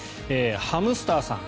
ハムスターさん。